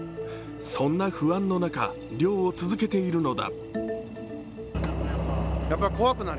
そんな不安の中、漁を続けているのだ。